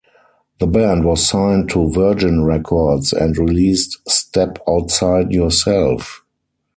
The band was signed to Virgin Records and released Step Outside Yourself.